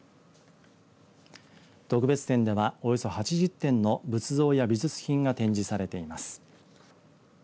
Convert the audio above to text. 特別展ではおよそ８０点の仏像や美術品が展示されています。